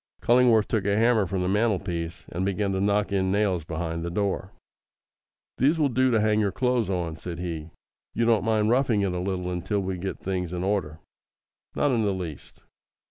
Cullingworth took a hammer from the mantelpiece, and began to knock in nails behind the door. "These will do to hang your clothes on," said he; "you don't mind roughing it a little until we get things in order?" "Not in the least."